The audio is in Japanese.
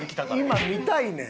今見たいねん。